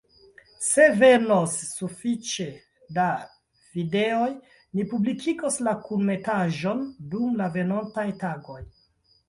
Se venos sufiĉe da videoj, ni publikigos la kunmetaĵon dum la venontaj tagoj.